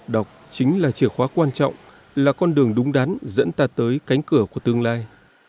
đọc chính là chìa khóa quan trọng là con đường đúng đắn dẫn ta tới cánh cửa của tương lai